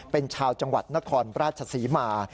เป็นชาวจังหวัดนครราชศรีมา